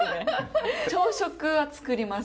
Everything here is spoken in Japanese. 朝食は作ります。